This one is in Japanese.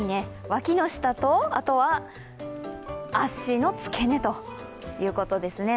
脇の下と、あとは脚の付け根ということですね。